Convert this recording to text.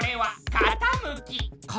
かたむき？